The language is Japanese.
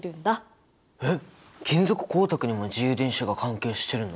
えっ金属光沢にも自由電子が関係してるの？